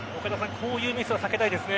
こういうミスは避けたいですね。